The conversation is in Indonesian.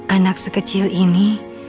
anak sekecil ini